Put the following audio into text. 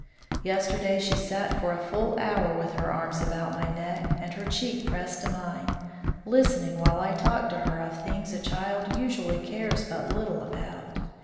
Yesterday she sat for a full hour with her arms about my neck and her cheek pressed to mine, listening while I talked to her of things a child usually cares but little about.